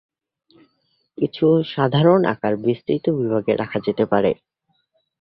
কিছু সাধারণ আকার বিস্তৃত বিভাগে রাখা যেতে পারে।